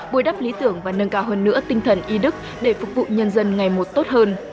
bồi đắp lý tưởng và nâng cao hơn nữa tinh thần y đức để phục vụ nhân dân ngày một tốt hơn